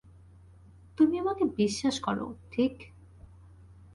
তুমি আমাকে বিশ্বাস করো, ঠিক?